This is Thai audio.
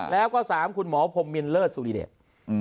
แล้วก็๓คุณหมอพรมมินเลิศสุริเดช